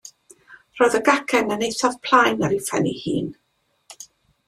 Roedd y gacen yn eithaf plaen ar phen ei hun.